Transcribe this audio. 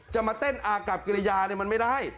จะมาเต้นอากัปกลยาไม่ได้